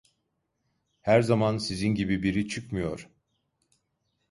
Her zaman sizin gibi biri çıkmıyor…